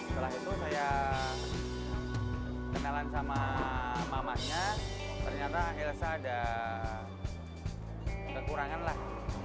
setelah itu saya kenalan sama mamanya ternyata elsa ada kekurangan lah